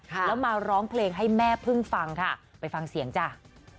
แล้วมาร้องเพลงให้แม่พึ่งฟังค่ะไปฟังเสียงจ้ะ